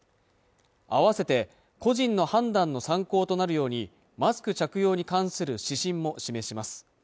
あわせて個人の判断の参考となるようにマスク着用に関する指針も示します